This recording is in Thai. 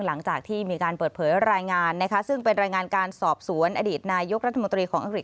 หลังจากที่มีการเปิดเผยรายงานนะคะซึ่งเป็นรายงานการสอบสวนอดีตนายกรัฐมนตรีของอังกฤษ